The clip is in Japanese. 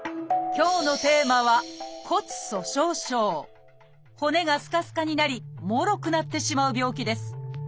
今日のテーマは骨がすかすかになりもろくなってしまう病気です。